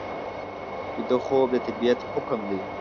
ویده خوب د طبیعت حکم دی